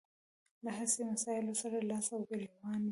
له هسې مسايلو سره لاس او ګرېوان وي.